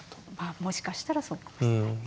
もしかしたらそうかもしれないですね。